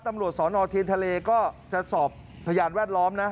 ตำรวจสอนอเทียนทะเลก็จะสอบพยานแวดล้อมนะ